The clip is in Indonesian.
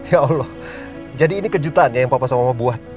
ya allah jadi ini kejutan ya yang papa sama buat